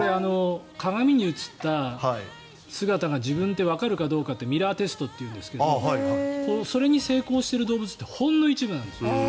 鏡に映った姿が自分でわかるかどうかってミラーテストっていうんですがそれに成功している動物ってほんの一部なんです。